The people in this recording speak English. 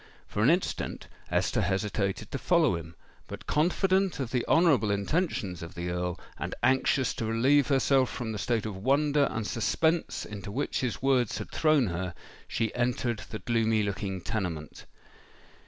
For an instant Esther hesitated to follow him; but, confident of the honourable intentions of the Earl, and anxious to relieve herself from the state of wonder and suspense into which his words had thrown her, she entered the gloomy looking tenement.